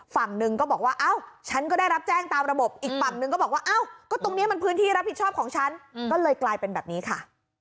ฝั่งหนึ่งก็บอกว่าอ้าวฉันก็ได้รับแจ้งตามระบบอีกฝั่งนึงก็บอกว่าอ้าวก็ตรงนี้มันพื้นที่รับผิดชอบของฉันก็เลยกลายเป็นแบบนี้ค่ะ